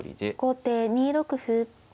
後手２六歩。